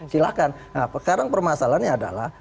silahkan nah sekarang permasalahannya adalah